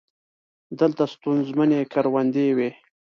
دلته ستونزمنې کروندې وې.